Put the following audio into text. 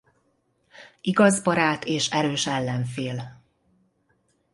Igaz barát és erős ellenfél.